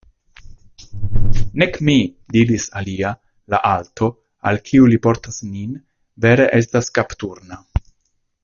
Nek mi, diris alia, la alto, al kiu li portas nin, vere estas kapturna.